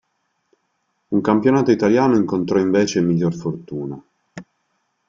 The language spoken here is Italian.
Un campionato Italiano incontrò invece miglior fortuna.